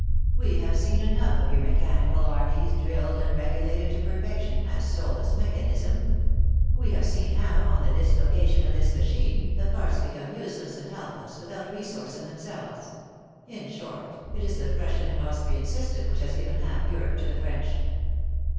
" We have seen enough of your mechanical armies, drilled and regulated to perfection, as soulless mechanism. We have seen how, on the dislocation of this machine, the parts became useless and helpless, without resource in themselves. In short, it is the Prussian and Aus trian system which has given half Europe to the French.